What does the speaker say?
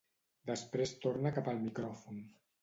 Després torna cap al micròfon.